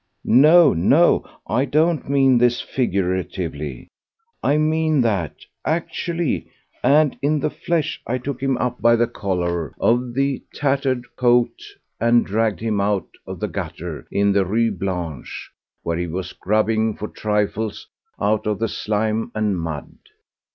No! no! I do not mean this figuratively! I mean that, actually and in the flesh, I took him up by the collar of his tattered coat and dragged him out of the gutter in the Rue Blanche, where he was grubbing for trifles out of the slime and mud.